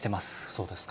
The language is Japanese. そうですか。